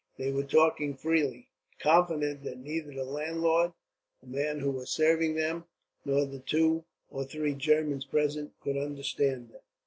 They were talking freely, confident that neither the landlord, the man who was serving them, nor the two or three Germans present could understand them.